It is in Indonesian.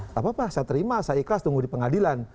tidak apa apa saya terima saya ikhlas tunggu di pengadilan